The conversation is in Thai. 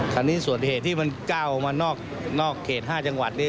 คราวนี้ส่วนเหตุที่มันก้าวมานอกเขต๕จังหวัดนี้